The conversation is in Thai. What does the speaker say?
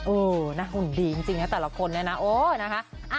เออน่าหุ่นดีจริงนะแต่ละคนเนี่ยนะโอ้นะคะ